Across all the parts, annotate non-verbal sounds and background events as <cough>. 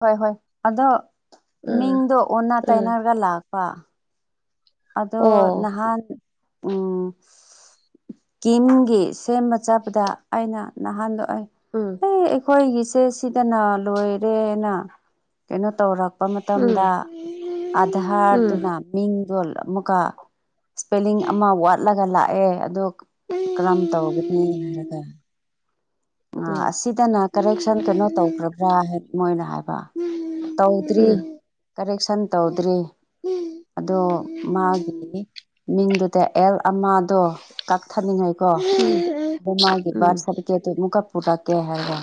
ꯍꯣꯏ ꯍꯣꯏ ꯑꯗꯣ ꯎꯝ ꯃꯤꯡꯗꯣ ꯑꯣꯟꯅ ꯎꯝ ꯇꯩꯅꯔꯒ ꯂꯥꯛꯄ ꯑꯗꯣ ꯑꯣ ꯅꯍꯥꯟ ꯎꯝ ꯀꯀꯤꯝꯒꯤ ꯁꯦꯝꯕ ꯆꯥꯄꯗ ꯑꯩꯅ ꯅꯍꯥꯟꯗ ꯑꯩ ꯎꯝ ꯑꯦ ꯑꯩꯈꯣꯏꯒꯤꯁꯦ ꯁꯤꯗꯅ ꯂꯣꯏꯔꯦꯅ ꯀꯩꯅꯣ ꯇꯧꯔꯛ ꯆꯄ ꯃꯇꯝꯗ ꯎꯝ ꯎꯝ ꯑꯙꯥꯔꯗꯨꯅ ꯃꯤꯡꯖꯣꯜ ꯑꯃꯨꯛꯀ ꯏꯁꯄꯦꯂꯤꯡ ꯑꯃ ꯋꯥꯠꯂꯒ ꯂꯥꯛꯑꯦ ꯑꯗꯣ ꯀꯔꯝ ꯇꯧꯒꯅꯤ ꯍꯥꯏꯔꯒ ꯎꯝ ꯑꯁꯤꯗꯅ ꯀꯔꯦꯛꯁꯟ ꯀꯩꯅꯣ ꯇꯧꯈ꯭ꯔꯕ꯭ꯔꯥ ꯃꯣꯏꯅ ꯍꯥꯏꯕ ꯇꯧꯗ꯭ꯔꯤ ꯎꯝ ꯀꯔꯦꯛꯁꯟ ꯇꯧꯗ꯭ꯔꯤ ꯑꯗꯣ ꯃꯥꯒꯤ ꯃꯤꯡꯗꯨꯗꯤ ꯑꯦꯜ ꯑꯃ ꯣ ꯀꯛꯊꯅꯤꯡꯉꯥꯏꯀꯣ ꯑꯗꯣ ꯃꯥꯒꯤ ꯕꯥꯔꯊ ꯁꯥꯔꯇꯤꯐꯤꯀꯦꯠ ꯑꯃꯨꯛꯀ ꯄꯨꯔꯛꯀꯦ ꯍꯥꯏꯔꯒ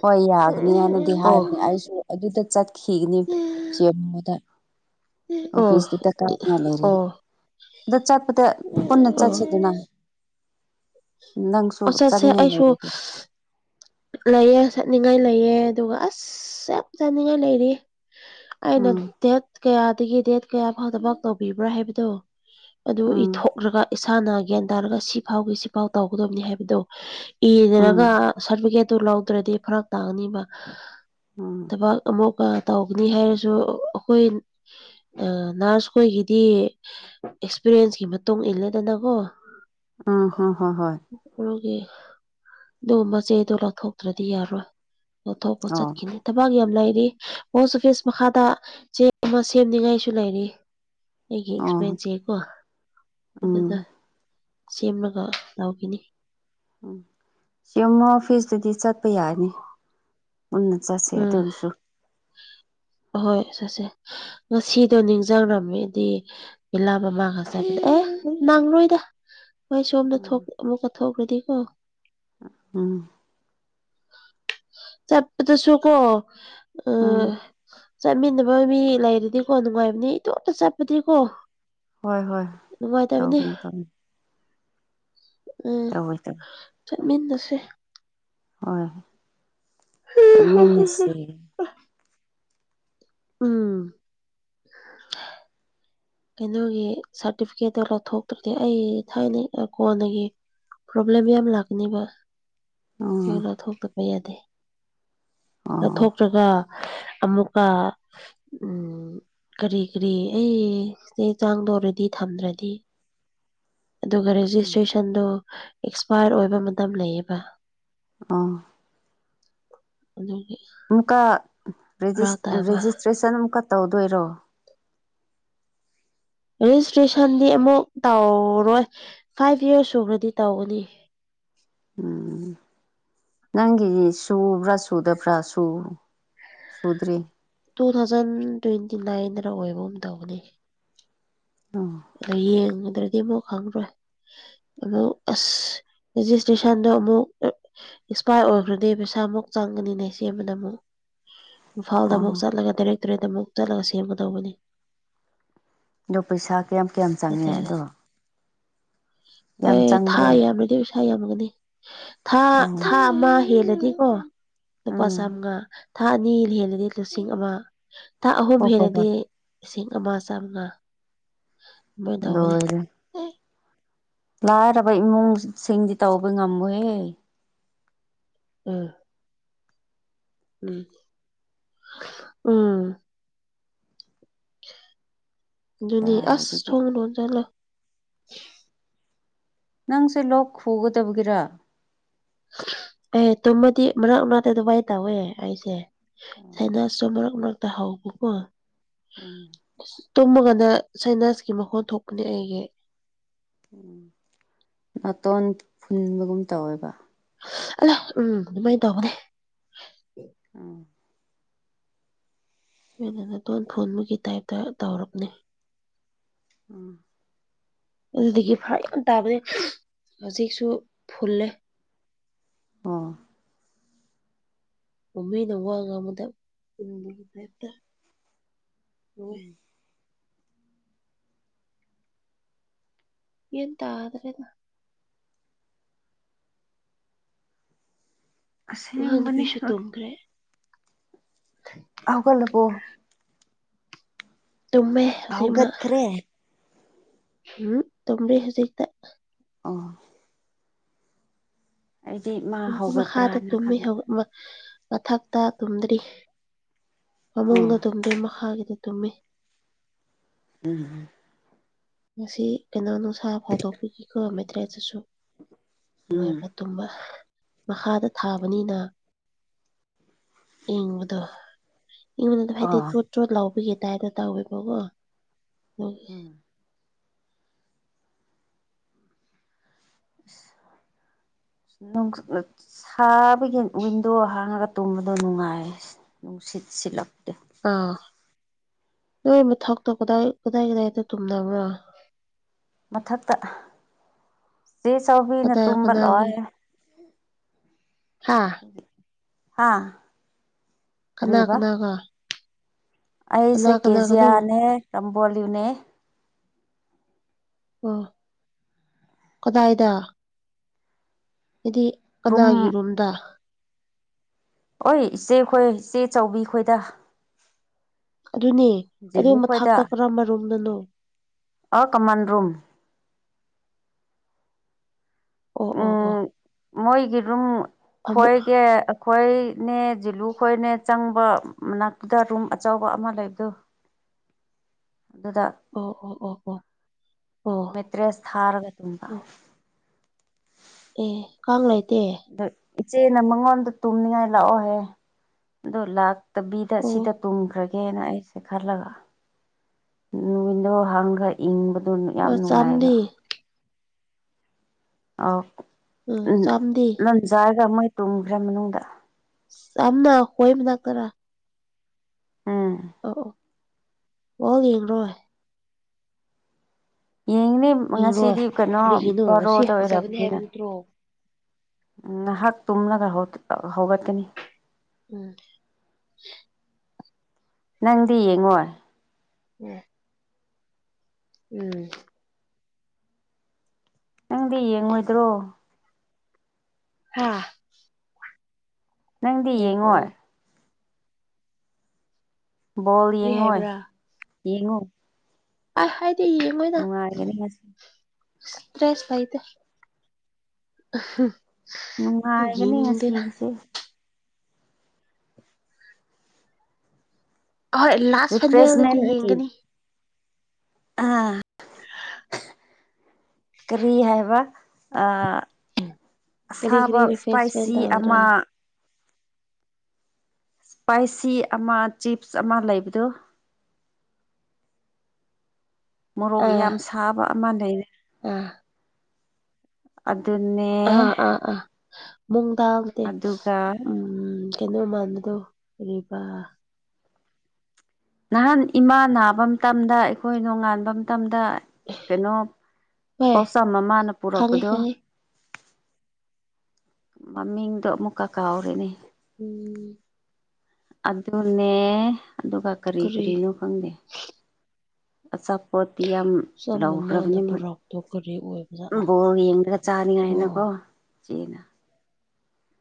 ꯍꯣꯏ ꯌꯥꯒꯅꯤ ꯍꯥꯏꯅꯗꯤ ꯎꯝ ꯑꯣ ꯍꯥꯏꯕꯅꯦ ꯑꯩꯁꯨ ꯑꯗꯨꯗ ꯆꯠꯈꯤꯒꯅꯤ ꯆꯕꯗ ꯑꯣꯐꯤꯁꯁ ꯇ ꯀꯥ ꯂꯩꯔꯤ ꯑꯣ ꯑꯗ ꯆꯠꯄꯗ ꯄꯨꯟꯅ ꯑꯣ ꯆꯠꯁꯤꯗꯨꯅ ꯅꯪꯁꯨ ꯑꯣ ꯆꯥꯅꯤꯡꯉꯥꯏ ꯂꯩꯔꯦ ꯂꯩꯑ ꯆꯠꯅꯤꯡꯉꯥꯏ ꯂꯩꯑ ꯑꯗꯨꯒ ꯑꯁ ꯌꯥꯝꯞ ꯆꯥꯅꯤꯡꯉꯥꯏ ꯂꯩꯔꯤ ꯑꯩꯅ ꯎꯝ ꯗꯦꯠ ꯀꯌꯥꯗꯒꯤ ꯗꯦꯠ ꯀꯌꯥ ꯐꯥꯎꯗꯃꯛ ꯇꯧꯕꯤꯕ꯭ꯔꯥ ꯍꯥꯏꯕꯗꯨꯣ ꯑꯗꯨ ꯎꯝ ꯏꯊꯣꯛꯂꯒ ꯏꯁꯥꯅ ꯒ꯭ꯌꯥꯟ ꯇꯥꯔꯒ ꯁꯤ ꯐꯥꯎꯒꯤ ꯁꯤꯐꯥꯎ ꯇꯧꯒꯗꯕꯅꯤ ꯍꯥꯏꯕꯗꯨꯣ ꯎꯝ ꯏꯗꯔꯒ ꯁꯥꯔꯇꯤꯐꯤꯀꯦꯠꯇꯨ ꯂꯧꯗ꯭ꯔꯗꯤ ꯐꯔꯛ ꯇꯥꯡꯅꯤꯕ ꯎꯝ ꯊꯕꯛ ꯑꯃꯨꯛ ꯇꯧꯒꯅꯤ ꯍꯥꯏꯔꯁꯨ ꯑꯩꯈꯣꯏ ꯅꯔꯁ ꯈꯣꯏꯒꯤꯗꯤ ꯑꯦꯛꯁꯄꯤꯔꯤꯌꯦꯟꯁꯀꯤ ꯃꯇꯨꯡ ꯏꯜꯂꯦꯗꯅꯀꯣ ꯎ ꯍ ꯍ ꯍꯣꯏ ꯎ ꯑꯗꯨꯒ ꯃꯆꯦꯗꯣ ꯂꯥꯎꯊꯣꯛꯇ꯭ꯔꯗꯤ ꯌꯥꯔꯣꯏ ꯅꯊꯣꯛꯑꯄ ꯑꯣ ꯆꯠꯈꯤꯅꯦ ꯊꯕꯛ ꯌꯥꯝ ꯂꯩꯔꯤ ꯄꯣꯁ ꯑꯣꯐꯤꯁ ꯃꯈꯥꯗ ꯆꯦ ꯑꯃ ꯁꯦꯝꯅꯤꯡꯉꯥꯏꯁꯨ ꯂꯩꯔꯤ ꯑꯩꯒꯤ ꯑꯣ ꯑꯦꯛꯁꯄ꯭ꯂꯦꯟꯁꯀꯣ ꯎꯝ ꯑꯗꯨꯗ ꯁꯦꯝꯂꯒ ꯂꯧꯥꯎꯈꯤꯅꯤ ꯎꯝ ꯁꯤ ꯑꯃꯨꯝꯃ ꯑꯣꯐꯤꯁꯇꯗꯤ ꯆꯠꯄ ꯌꯥꯔꯅꯤ ꯎꯟꯅ ꯎꯝ ꯍꯣꯏ ꯆꯁꯦ ꯉꯁꯤꯗꯣ ꯅꯤꯡꯁꯤꯡꯔꯝꯃꯦꯗꯤ ꯏꯂꯥꯕꯃꯥꯒ ꯆ ꯑꯦ ꯅꯥꯡꯔꯣꯏꯗ ꯍꯣꯏ ꯁꯣꯝꯗ ꯎꯝ ꯑꯃꯨꯛꯀ ꯊꯣꯛꯈ꯭ꯔꯗꯤꯀꯣ ꯎꯝ ꯆꯁꯨꯣ ꯀꯣ ꯎꯝ ꯆꯠꯃꯤꯟꯅꯕ ꯃꯤ ꯂꯩꯔꯗꯤꯀꯣ ꯅꯨꯡꯉꯥꯏꯕꯅꯤ ꯏꯇꯣꯝꯇ ꯆꯠꯄꯗꯤꯀꯣ ꯍꯣꯏ ꯍꯣꯏ ꯅꯨꯡꯉꯥꯏꯇꯕꯅꯤ ꯇꯧꯒꯅꯤ ꯇꯧꯅꯤ ꯎꯝ ꯇꯧꯏ ꯇꯧ ꯆꯠꯃꯤꯟꯅꯁꯦ ꯍꯣꯏꯣꯏ ꯆꯠꯃꯤꯟꯅꯁꯤꯦ ꯎꯝ ꯀꯩꯅꯣꯒꯤ ꯁꯥꯔꯇꯤꯐꯤꯀꯦꯠꯇꯣ ꯂꯧꯊꯣꯛꯇ꯭ꯔꯗꯤ ꯑꯩ ꯊꯥꯏꯅ ꯀꯣꯟꯅꯒꯤ ꯄ꯭ꯔꯣꯕ꯭ꯂꯦꯝ ꯌꯥꯝ ꯂꯥꯛꯅꯤꯕ ꯎꯝ ꯌꯊꯣꯛꯇꯄ ꯑꯣ ꯌꯥꯗꯦꯊꯣꯛ ꯅ꯭ꯔꯒ ꯑꯃꯨꯛꯀ ꯎ ꯀꯔꯤ ꯀꯔꯤ ꯑꯩ ꯆꯦ ꯆꯥꯡꯗꯧꯔꯗꯤ ꯊꯝꯗ꯭ꯔꯗꯤ ꯑꯗꯨꯒ ꯑꯣ ꯔꯦꯖꯤꯁꯇ꯭ꯔꯦꯁꯟꯗꯨ ꯑꯦꯛꯁꯄꯥꯔ ꯑꯣꯏꯕ ꯃꯇꯝ ꯂꯩꯌꯦꯕ ꯑꯥ ꯑꯗꯨꯗꯒꯤ ꯑꯃꯨꯛꯀ ꯔꯦꯖꯤꯁꯇ꯭ꯔꯦꯁꯟ ꯑꯃꯨꯛꯀ ꯇꯧꯗꯣꯏꯔꯣ ꯔꯦꯖꯤꯁꯇ꯭ꯔꯦꯁꯟꯗꯤ ꯑꯃꯨꯛ ꯇꯧꯔꯣꯏ ꯐꯥꯏꯚ ꯌꯔꯁ ꯁꯨꯕ꯭ꯔꯗꯤ ꯇꯧꯒꯅꯤ ꯎꯝ ꯅꯪꯒꯤ ꯁꯨꯕ꯭ꯔꯥ ꯁꯨꯗꯕ꯭ꯔꯥ ꯁꯨꯗ꯭ꯔꯤ ꯇꯨ ꯊꯥꯎꯖꯟ ꯇ꯭ꯋꯦꯟꯇꯤ ꯅꯥꯏꯟꯗ ꯑꯣꯏꯕꯒ ꯇꯧꯕꯅꯤ ꯑꯥ ꯑ ꯌꯦꯡꯉꯨꯗ꯭ꯔꯗꯤ ꯑꯃꯨꯛ ꯈꯪꯔꯣꯏ ꯑꯃꯛ ꯑꯁ ꯐꯤꯖꯤꯛꯁ ꯇꯌꯨꯁꯟꯗ ꯑꯃꯨꯛ ꯑꯦꯛꯁꯄꯥꯥꯏꯔ ꯑꯣꯏꯈ꯭ꯔꯗꯤ ꯄꯩꯁꯥꯃꯨꯛ ꯆꯪꯒꯅꯤꯅꯦ ꯁꯦꯝꯕꯗ ꯑꯃꯨꯛ ꯏꯝꯐꯥꯜꯗ ꯑꯃꯨꯛ ꯑꯣ ꯆꯠꯂꯒ ꯇꯔꯦꯠ ꯇꯔꯦꯠꯇ ꯑꯃꯨꯛ ꯆꯠꯂꯒ ꯁꯦꯝꯒꯗꯧꯕꯅꯤ ꯑꯗꯣ ꯄꯩꯁꯥ ꯀꯌꯥꯝ ꯀꯌꯥꯝ ꯆꯪꯉꯦ ꯅꯠꯇ꯭ꯔꯗꯤ ꯑꯗꯣ ꯌꯥꯝ ꯑꯦ ꯊꯥ ꯆꯪꯕ꯭ꯔꯣ ꯌꯥꯝ꯭ꯔꯗꯤꯁꯥ ꯌꯥꯝꯃꯒꯅꯤ ꯊꯥ ꯑꯣ ꯊꯥ ꯑꯃ ꯍꯦꯜꯂꯗꯤꯀꯣ ꯂꯨꯄꯥ ꯎꯝ ꯆꯥꯝꯃꯉꯥ ꯊꯥ ꯑꯅꯤ ꯍꯦꯜꯂꯗꯤ ꯂꯤꯁꯤꯡ ꯑꯃ ꯊꯥ ꯑꯍꯨꯝ ꯍꯣ ꯍꯣ ꯍꯦꯜꯂꯗꯤ ꯍꯣꯏ ꯂꯤꯁꯤꯡ ꯑꯃ ꯆꯥꯝꯃꯉꯥ <unintelligible> ꯂꯣꯏꯔꯦ ꯂꯥꯏꯔꯕ ꯏꯃꯨꯡꯁꯤꯡꯗꯤ ꯇꯧꯕ ꯉꯝꯃꯣꯏꯍꯦ ꯎꯝ ꯎꯝ ꯎꯝ ꯑꯗꯨꯅꯤ ꯑꯁ ꯀꯗꯥꯏꯗꯒꯤ ꯊꯣꯡꯅꯍꯖꯂꯣ ꯅꯪꯁꯦ ꯂꯣꯛ ꯈꯨꯒꯗꯕꯒꯤꯔ ꯑꯦ ꯇꯨꯝꯃꯗꯤ ꯃꯅꯥꯛ ꯃꯅꯥꯛꯇ ꯑꯗꯨ ꯏ ꯇꯧꯋꯦ ꯑꯩꯁꯦ ꯁꯥꯏꯅꯥꯁꯁꯨ ꯃꯔꯛ ꯃꯔꯛꯇ ꯍꯥꯎꯕꯀꯣ ꯎꯝ ꯇꯨꯝꯃꯒꯥꯟꯗ ꯁꯥꯏꯅꯥꯁꯀꯤ ꯃꯈꯣꯟ ꯊꯣꯛꯄꯅꯦ ꯑꯩꯒꯤ ꯎꯝ ꯅꯥꯇꯣꯟ ꯐꯨꯟꯕꯒꯨꯝ ꯇꯧꯋꯦꯕ ꯁ ꯑꯌꯥ ꯎꯝ ꯑꯗꯨꯃꯥꯏꯅ ꯇꯧꯕꯅꯦ ꯎꯝ ꯂꯣꯏꯅ ꯅꯥꯇꯣꯟ ꯐꯨꯟꯕꯒꯤ ꯇꯥꯏꯞꯇ ꯇꯧꯔꯞꯅꯦ ꯎꯝ ꯑꯗꯨꯗꯒꯤ ꯐꯔ ꯌꯥꯝ ꯇꯥꯕꯅꯦ ꯍꯧꯖꯤꯛꯁꯨ ꯐꯨꯜꯂꯦ ꯑꯣ ꯎ ꯃꯤꯅ ꯋꯥ ꯉꯥꯡꯕꯗ ꯐꯨꯟꯕꯒꯤ ꯇꯥꯏꯞꯇ ꯇꯧꯋꯦ ꯎꯝ ꯌꯦꯟ ꯇꯥꯗꯔ꯭ꯦꯗ ꯑꯉꯥꯡ ꯑꯁꯦꯡꯕꯅꯦ ꯅꯨꯄꯤꯁꯨ ꯇꯨꯝꯈ꯭ꯔꯦ ꯍꯧꯒꯠꯂꯕꯣ ꯇꯨꯝꯃꯦ ꯍꯧꯖꯤꯛ ꯍꯧꯒꯠꯈꯔꯦ ꯍꯨꯝ ꯇꯨꯃꯦ ꯍꯖꯤꯛꯇ ꯑꯣ ꯑꯩꯗꯤ ꯃꯥ ꯗꯨꯝ ꯃꯈꯥꯗ ꯍꯧꯒꯠꯄ꯭ꯔꯥꯅ ꯇꯨꯝꯃꯦ ꯍꯧ ꯈꯟꯕ ꯃ ꯃꯊꯛꯇ ꯇꯨꯝꯗ꯭ꯔꯤ ꯑꯣ ꯐꯃꯨꯡꯗ ꯇꯨꯝꯗ꯭ꯔꯤ ꯃꯈꯥꯒꯤꯗ ꯇꯨꯝꯃꯤ ꯎꯝ ꯍꯨꯝ ꯉꯁꯤ ꯀꯩꯅꯣ ꯅꯨꯡꯁꯥ ꯐꯥꯎꯗꯣꯛꯄꯤꯒꯦꯀꯣ ꯃꯦꯇꯔꯦꯁꯖꯤꯁꯨ ꯎꯝ ꯅꯨꯡꯉꯥꯏꯕꯅꯦ꯫ ꯇꯨꯝꯕ ꯃꯈꯥꯗ ꯊꯥꯕꯅꯤꯅ ꯏꯡꯕꯗꯣ ꯏꯪꯕꯥ ꯅꯠꯇꯕ ꯍꯥꯏꯗꯤ ꯑꯥ ꯆꯣꯠ ꯆꯣꯠ ꯂꯧꯕꯒꯤ ꯇꯥꯏꯞꯗ ꯇꯧꯋꯦꯕꯀꯣ ꯑꯗꯨꯒꯤ ꯎꯝ ꯏꯁ ꯍ ꯁ ꯅꯨꯡ ꯁꯥꯕꯒꯤ ꯋꯤꯟꯗꯣ ꯍꯥꯡꯉꯒ ꯇꯨꯝꯕꯗꯣ ꯅꯨꯡꯉꯥꯏꯌꯦ꯫ ꯅꯨꯡꯁꯤꯠ ꯁꯤꯠꯂꯛꯇꯦ꯫ ꯑꯥ ꯅꯣꯏ ꯃꯊꯛꯇꯣ ꯀꯗꯥꯏ ꯀꯗꯥꯏ ꯀꯗꯥꯏꯗ ꯇꯨꯝꯅꯕ꯭ꯔꯣ? ꯃꯊꯛꯇ ꯑ ꯆꯦ ꯆꯧꯕꯤꯅ ꯀꯗꯥꯏ ꯇꯨꯝꯕ ꯀꯅꯥꯒꯤ ꯂꯣꯏꯔꯦ꯫ ꯍꯥ ꯍꯥꯥ ꯀꯅꯥ ꯀꯅꯥꯒ ꯀꯅꯥ ꯑꯩꯁꯦ ꯀꯅꯥꯒꯅꯣ ꯀꯦꯖꯤꯌꯥꯅꯦ ꯔꯝꯕꯣꯂꯤꯌꯨꯅꯦ ꯑꯣ ꯀꯗꯥꯏꯗ ꯍꯥꯏꯗꯤ ꯔꯨꯝ ꯀꯅꯥꯒꯤ ꯔꯨꯝꯗ ꯑꯣꯏ ꯏꯆꯦ ꯈꯣꯏ ꯏꯆꯦ ꯆꯧꯕꯤ ꯈꯣꯏꯗ ꯑꯗꯨꯅꯦ ꯑꯗꯨ ꯖꯤꯂꯨ ꯈꯣꯏꯗ ꯃꯊꯥꯛꯇ ꯀꯔꯝꯕ ꯔꯨꯝꯗꯅꯣ ꯑꯥ ꯀꯃꯟ ꯔꯨꯝ ꯑꯣ ꯑꯣ ꯑꯣ ꯎꯝ ꯃꯣꯏꯒꯤ ꯔꯨꯝ ꯑꯃꯨꯛ ꯈꯣꯏꯒꯦ ꯈꯣꯏ ꯅꯦ ꯖꯤꯂꯨ ꯈꯣꯏꯅꯦ ꯆꯪꯕ ꯃꯅꯥꯛꯇꯨꯗ ꯔꯨꯝ ꯑꯆꯧꯕ ꯑꯃ ꯂꯩꯕꯗꯣ ꯑꯗꯨꯗ ꯑꯣ ꯑꯣ ꯑꯣ ꯑꯣ ꯑꯣ ꯃꯦꯇ꯭ꯔꯦꯁ ꯊꯥꯔꯒ ꯇꯨꯝꯕ ꯑꯣ ꯑꯦ ꯀꯥꯡ ꯂꯩꯇꯦ ꯑꯗꯨ ꯏꯆꯦꯅ ꯃꯉꯣꯟꯗ ꯇꯨꯝꯅꯤꯡꯉꯥꯏ ꯂꯥꯛꯑꯣ ꯍꯥꯏꯌꯦ ꯑꯗꯨ ꯂꯥꯛ ꯇꯕꯤꯗ ꯑꯣ ꯁꯤꯗ ꯇꯨꯝꯈ꯭ꯔꯦ ꯒꯦꯅ ꯑꯩꯁꯦ ꯈꯂꯒ ꯅꯨ ꯋꯤꯟꯗꯣ ꯍꯥꯡꯈꯩ ꯏꯪꯕꯗꯣ ꯌꯥꯝ ꯑꯣ ꯅꯨꯡꯉꯥꯏꯌꯦꯕ ꯆꯥꯝꯗꯤ ꯑꯥꯎ ꯎꯝ ꯂꯝꯖꯥꯔꯒ ꯃꯣꯏ ꯇꯨꯝꯈ꯭ꯔꯦ ꯃꯅꯨꯡꯗ ꯆꯝꯅ ꯍꯣꯏ ꯃꯅꯥꯥꯛꯇꯔꯥ ꯎꯝ ꯑꯣ ꯑꯣ ꯕꯣꯜ ꯌꯦꯡꯔꯣꯏ ꯌꯦꯡꯤꯅꯤ ꯌꯦꯡꯔꯣꯏ ꯉꯁꯤꯗꯤ ꯀꯩꯅꯣ ꯀꯔꯤꯒꯤꯅꯣ ꯉꯁꯤ ꯕꯣꯔꯣꯗ ꯐꯖꯒꯅꯤ ꯑꯣꯏꯔꯕꯅꯤꯅ ꯍꯥꯏꯕ ꯅꯠꯇ꯭ꯔꯣ ꯉꯍꯥꯛ ꯇꯨꯝꯂꯒ ꯍꯧꯒꯠꯀꯅꯤ ꯎꯝ ꯅꯪꯗꯤ ꯌꯦꯡꯉꯣ ꯎꯝ ꯎꯝ ꯅꯪꯗꯤ ꯌꯦꯡꯉꯣꯏꯗ꯭ꯔꯣ ꯍꯥꯥ ꯅꯪꯗꯤ ꯉꯥꯏꯈꯣ ꯌꯦꯡꯉꯣꯏ ꯕꯣꯜ ꯀꯔꯤ ꯌꯦꯡꯉꯣꯏ ꯍꯥꯏꯕ꯭ꯔꯥ ꯌꯦꯡꯉꯨ ꯑꯥ ꯍꯥꯏꯗꯤ ꯌꯦꯡꯉꯣꯏꯗ ꯅꯨꯡꯉꯥꯏꯒꯅꯤ ꯉꯁꯤ ꯇ꯭ꯔꯦꯁ ꯂꯩꯇꯦ <unintelligible> ꯅꯨꯡꯉꯥꯏꯒꯅꯤ ꯌꯦꯡꯅꯤꯡꯗꯦꯗ ꯉꯁꯤꯒꯤꯁꯦ ꯑꯍꯣꯏ ꯂꯥꯁ ꯐꯟꯅꯦꯜꯗꯗꯤ ꯔꯤꯐ꯭ꯔꯦꯁꯃꯦꯟꯒꯤ ꯌꯦꯡꯒꯅꯤ ꯑꯥ ꯀꯔꯤ ꯍꯥꯏꯕ ꯀꯔꯤ ꯀꯔꯤ ꯑꯁꯥꯕ ꯔꯤꯐ꯭ꯔꯦꯁꯃꯦꯟ ꯏꯁꯄꯥꯏꯁꯤ ꯇꯧꯒ꯭ꯔꯥ ꯑꯃ ꯏꯁꯄꯥꯏꯁꯤ ꯑꯃ ꯆꯤꯞꯁ ꯑꯃ ꯂꯩꯕꯗꯨ ꯃꯣꯔꯣꯛ ꯑꯥ ꯌꯥꯝ ꯁꯥꯕ ꯑꯃ ꯂꯩꯔꯦ ꯑꯥ ꯑꯗꯨꯅꯦ ꯑꯥ ꯑꯥ ꯑꯥ ꯃꯨꯗꯥꯡꯗꯦ ꯑꯗꯨꯒ ꯎꯝ ꯎꯝ ꯀꯩꯅꯣ ꯃꯥꯟꯕꯗꯣ ꯀꯔꯤꯕ ꯅꯍꯥꯟ ꯏꯃꯥ ꯅꯥꯕ ꯃꯇꯝꯗ ꯑꯩꯈꯣꯏ ꯅꯣꯡꯉꯥꯟꯕ ꯃꯇꯝꯗ ꯀꯩꯅꯣ ꯍꯣꯏ ꯄꯣꯠꯁꯥ ꯃꯃꯥꯅ ꯈꯪꯉꯦ ꯄꯨꯔꯛꯄꯗꯣ ꯈꯪꯉꯦ ꯃꯃꯤꯡꯗꯣ ꯑꯃꯨꯛꯀꯥ ꯀꯥꯎꯔꯦꯅꯦ ꯎꯝ ꯑꯗꯨꯅꯦ ꯑꯗꯨꯒ ꯀꯔꯤ ꯀꯔꯤꯅꯣ ꯈꯪꯗꯦ ꯑꯆꯥꯥꯄꯣꯇꯤ ꯌꯥꯝ ꯌꯥꯝ ꯆꯞ ꯃꯃꯥꯅ ꯂꯧꯈ꯭ꯔꯕꯅꯤ ꯃꯣꯏ ꯄꯨꯔꯛꯄꯗꯣ ꯀꯔꯤ ꯑꯣꯏꯕ ꯖꯥꯠꯂꯥ ꯕꯣꯔ ꯌꯦꯡꯗꯒ ꯑꯣ ꯆꯥꯅꯤꯡꯉꯥꯏꯅꯀꯣ ꯆꯦꯅ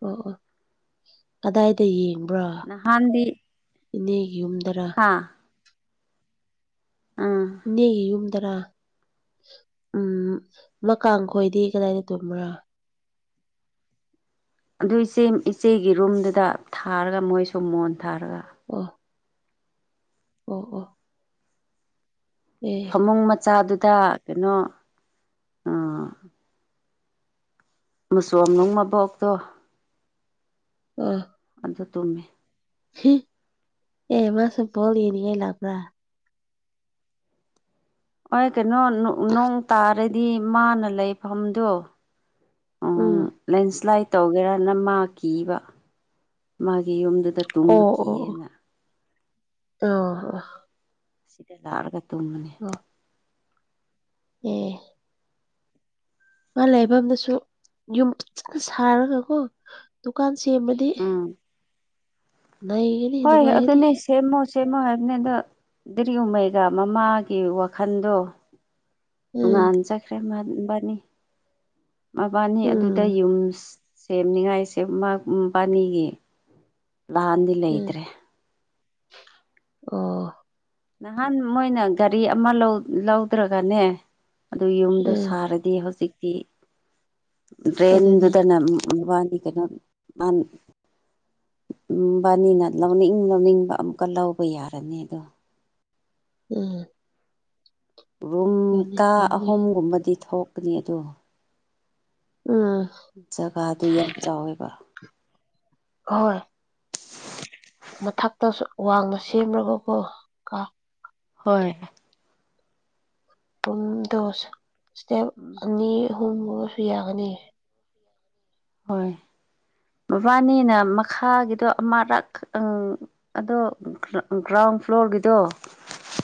ꯑꯣ ꯑꯣ ꯀꯗꯥꯏꯗ ꯌꯦꯡꯕ꯭ꯔꯣ ꯅꯍꯥꯟꯗꯤ ꯏꯅꯦꯒꯤ ꯌꯨꯝꯗꯔ ꯍꯥꯥ ꯎꯝ ꯏꯅꯦꯒꯤ ꯌꯨꯝ ꯗꯔꯥ ꯎꯝ ꯃꯀꯥꯡ ꯈꯣꯏꯗꯤ ꯀꯗꯥꯏꯗ ꯇꯣꯝꯕ꯭ꯔꯥ ꯑꯗꯨ ꯏꯆꯦ ꯏꯆꯦꯒꯤ ꯔꯨꯝꯗꯨꯗ ꯊꯥꯔꯒ ꯃꯣꯏꯁꯨ ꯃꯣꯟ ꯊꯥꯔꯒ ꯑꯣ ꯑꯣ ꯑꯣ <unintelligible> ꯐꯃꯨꯡ ꯃꯆꯥꯗꯨꯗ ꯀꯩꯅꯣ ꯃꯆꯣꯝꯅꯨꯡ ꯃꯕꯣꯛꯇꯣ ꯑꯥ ꯑꯗꯨ ꯇꯨꯝꯃꯤ ꯑꯦ ꯃꯥꯁꯨ ꯕꯣꯜꯂꯤ ꯌꯦꯅꯤꯉꯦ ꯂꯄ꯭ꯔꯥ ꯍꯣꯏ ꯀꯩꯅꯣ ꯅꯣꯡ ꯇꯥꯔꯗꯤ ꯃꯥꯅ ꯂꯩꯐꯝꯗꯣ ꯎꯝ ꯂꯦꯟꯁ꯭ꯂꯥꯏꯠ ꯇꯧꯒꯦꯔꯅ ꯃꯥ ꯀꯤꯕ ꯃꯥꯒꯤ ꯌꯨꯝꯗꯨꯗ ꯇꯨꯝꯕ ꯑꯣ ꯀꯤꯌꯦꯅ ꯑꯣ ꯑꯣ ꯁꯤꯗ ꯂꯛꯑꯔꯒ ꯇꯨꯝꯅꯤ ꯑ ꯑꯦ ꯃꯥ ꯂꯩꯐꯝꯅꯁꯨ ꯌꯨꯝ ꯐꯖꯅ ꯁꯥꯔꯒꯀꯣ ꯗꯨꯀꯥꯟ ꯁꯦꯝꯕꯗꯤ ꯎꯝ <unintelligible> ꯍꯣꯏ ꯑꯗꯨꯅꯤ ꯁꯦꯝꯃꯣ ꯁꯦꯝꯃꯣ ꯍꯥꯏꯕꯅꯤꯗ ꯗ꯭ꯔꯤ ꯎꯃꯩꯒ ꯃꯃꯥꯒꯤ ꯋꯥꯈꯟꯗꯣ ꯨ <unintelligible> ꯎꯝ ꯉꯥꯟꯖꯈ꯭ꯔꯦ ꯃꯥꯕꯅꯤ ꯃꯕꯥꯅꯤ ꯑꯗꯨꯗ ꯎꯝ ꯌꯨꯝꯁ ꯁꯦꯝꯅꯤꯡꯉꯥꯏꯁꯦꯕꯥꯅꯤꯒꯤ ꯂꯥꯟꯗꯤ ꯎꯝ ꯂꯩꯇ꯭ꯔꯦ ꯑꯣ ꯅꯍꯥꯟ ꯃꯣꯏꯅ ꯒꯥꯔꯤ ꯑꯃ ꯂꯧꯗ꯭ꯔꯒꯅꯦ ꯑꯗꯨ ꯌꯨꯝꯗ ꯎꯝ ꯁꯥꯔꯗꯤ ꯗꯤ ꯍꯧꯖꯤꯛꯇꯤ ꯑꯗꯨꯅꯤ ꯗ꯭ꯔꯦꯟꯗꯨꯗꯅ ꯋꯥꯅꯤ ꯀꯩꯅꯣ ꯑꯟ ꯃꯕꯅꯤꯅ ꯂꯧꯅꯤꯡ ꯂꯧꯅꯤꯡꯕ ꯑꯃꯨꯛꯀ ꯂꯧꯕ ꯌꯥꯔꯅꯤ ꯑꯗꯣ ꯎꯝ ꯔꯨꯝ ꯑꯗꯨꯅꯤ ꯀꯥ ꯄꯥꯝꯃꯨꯏ ꯑꯍꯨꯝꯒꯨꯝꯕꯗꯤ ꯊꯣꯛꯀꯅꯤ ꯑꯗꯣ ꯎꯝ ꯖꯒꯥꯗꯨ ꯌꯥꯝ ꯆꯥꯎꯋꯦꯕ ꯍꯣꯏ ꯃꯊꯛꯇ ꯋꯥꯡꯅ ꯁꯦꯝꯃꯒꯀꯣ ꯀ ꯍꯣꯏ ꯄꯨꯝ ꯗꯣ ꯏꯁꯇꯦꯞ ꯑꯅꯤ ꯑꯍꯨꯝꯒꯕꯁꯨ ꯌꯥꯒꯅꯤ ꯍꯣꯏ ꯃꯕꯥꯅꯤꯅ ꯃꯈꯥꯒꯤꯗꯣ ꯑꯃꯔꯛ ꯑ ꯑꯗꯣ ꯒ꯭ꯔꯥꯎꯟ ꯐ꯭ꯂꯣꯔꯒꯤꯗꯣ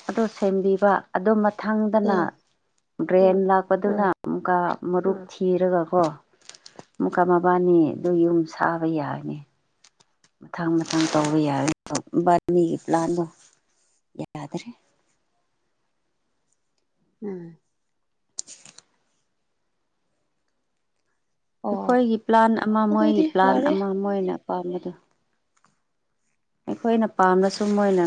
ꯑꯣ ꯁꯦꯝꯕꯤꯕ ꯑꯗꯨ ꯃꯊꯪꯗꯅ ꯎꯝ ꯒ꯭ꯔꯦꯟ ꯂꯥꯛꯄꯗꯨꯅ ꯎꯝ ꯑꯃꯨꯛꯀꯥ ꯃꯔꯨꯞ ꯊꯤꯔꯒ ꯀꯣ ꯃꯨꯀꯥ ꯃꯕꯥꯅꯤ ꯑꯗꯨ ꯌꯨꯝ ꯁꯥꯕ ꯌꯥꯅꯤ ꯃꯊꯪ ꯃꯊꯪ ꯇꯧꯕ ꯌꯥꯔꯦꯕꯥ ꯃꯤꯒꯤ ꯄ꯭ꯂꯥꯟꯗꯣ ꯌꯥꯗ꯭ꯔꯦ ꯎꯝ <unintelligible> ꯑꯣ ꯑꯩꯈꯣꯏꯒꯤ ꯄ꯭ꯂꯥꯟ ꯑꯃ ꯃꯣꯏꯒꯤ ꯑꯗꯨꯗꯤ ꯄ꯭ꯂꯥꯟ ꯐꯔꯦ ꯑꯃ ꯃꯣꯏꯅ ꯄꯥꯝꯕꯗꯣ ꯑꯩꯈꯣꯏꯅ ꯄꯥꯝꯕꯁꯨ ꯃꯣꯏꯅ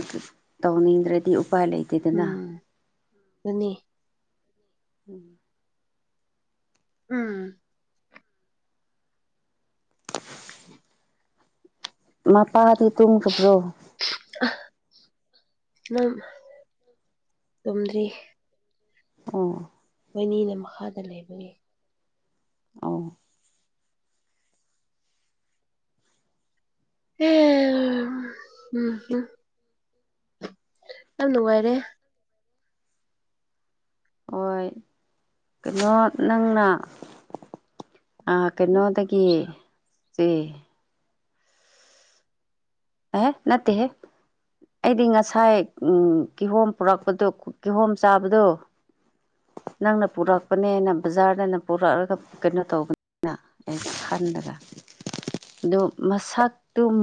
ꯇꯧꯅꯤꯡꯗ꯭ꯔꯗꯤ ꯎꯄꯥꯏ ꯂꯩꯇꯦ ꯎꯝ ꯑꯗꯨꯅꯤ ꯎꯝ ꯎꯝ <unintelligible> ꯃꯄꯥꯗꯤ ꯇꯨꯡꯨꯕ꯭ꯔꯣ ꯅꯪ ꯇꯨꯝꯗ꯭ꯔꯤ ꯑꯣ ꯃꯅꯤꯅ ꯃꯈꯥꯗ ꯂꯩꯕꯒꯤ ꯑꯥꯎ ꯑꯦ ꯌꯥꯝ ꯅꯨꯡꯉꯥꯏꯔꯦ ꯍꯣꯏ ꯀꯩꯅꯣ ꯅꯪꯅ ꯑ ꯀꯩꯅꯣꯗꯗꯒꯤꯦ ꯁꯥ ꯁꯦ ꯑꯦ ꯅꯠꯇꯦ ꯍꯦ ꯑꯩꯗꯤ ꯉꯁꯥꯏ ꯀꯤꯍꯣꯝ ꯄꯨꯔꯛꯄꯗꯨꯣ ꯀꯤꯍꯣꯝ ꯆꯥꯕꯗꯣ ꯅꯪꯅ ꯄꯨꯔꯛꯄꯅꯦꯅ ꯕꯖꯥꯔꯗꯅ ꯄꯨꯔꯛꯑꯒ ꯀꯩꯅꯣ ꯇꯧꯕꯅꯤꯅ ꯑꯩ ꯈꯜꯂꯒ ꯑꯗꯨ ꯃꯁꯛꯇꯨ